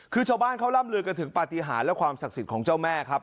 คือชาวบ้านเขาร่ำลือกันถึงปฏิหารและความศักดิ์สิทธิ์ของเจ้าแม่ครับ